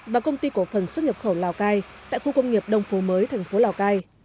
và công ty cổ phần xuất nhập khẩu lào cai tại khu công nghiệp đông phố mới thành phố lào cai